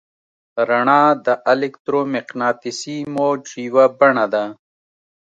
رڼا د الکترومقناطیسي موج یوه بڼه ده.